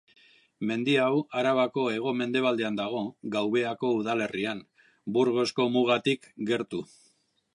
Mendi hau Arabako hego-mendebaldean dago, Gaubeako udalerrian, Burgosko mugatik gertu.